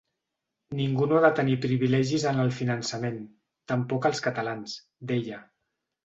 “Ningú no ha de tenir privilegis en el finançament, tampoc els catalans”, deia.